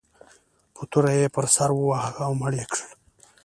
په توره یې پر سر وواهه او مړ یې کړ.